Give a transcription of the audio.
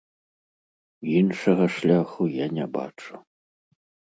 Іншага шляху я не бачу.